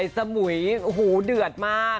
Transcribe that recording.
สมุยหูเดือดมาก